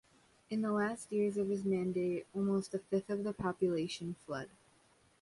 In the last years of his mandate, almost a fifth of the population fled.